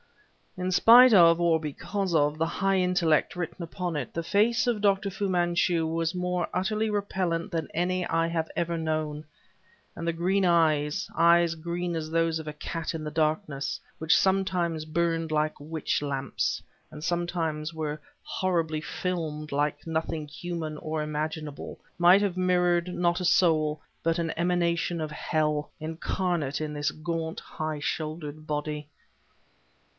In spite of, or because of, the high intellect written upon it, the face of Dr. Fu Manchu was more utterly repellent than any I have ever known, and the green eyes, eyes green as those of a cat in the darkness, which sometimes burned like witch lamps, and sometimes were horribly filmed like nothing human or imaginable, might have mirrored not a soul, but an emanation of hell, incarnate in this gaunt, high shouldered body.